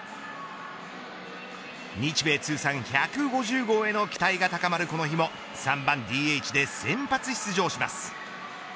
日米通算１５０号への期待が高まるこの日も３番ＤＨで先発出場します。